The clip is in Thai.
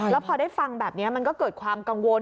แล้วพอได้ฟังแบบนี้มันก็เกิดความกังวล